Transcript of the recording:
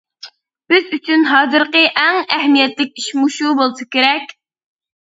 بىز ئۈچۈن ھازىرقى ئەڭ ئەھمىيەتلىك ئىش مۇشۇ بولسا كېرەك.